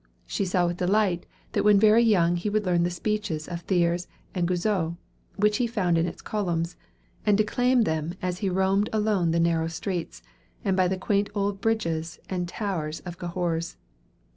She saw with delight that when very young he would learn the speeches of Thiers and Guizot, which he found in its columns, and declaim them as he roamed alone the narrow streets, and by the quaint old bridges and towers of Cahors.